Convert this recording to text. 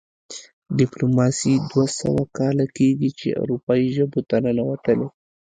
ډیپلوماسي دوه سوه کاله کیږي چې اروپايي ژبو ته ننوتلې ده